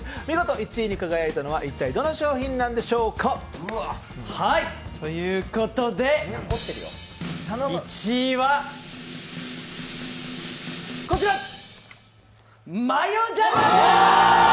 見事１位に輝いたのは一体どの商品なんでしょうか。ということで１位はこちら！